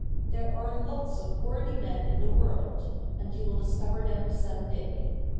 There are lots of worthy men in the world, and you will discover them some day.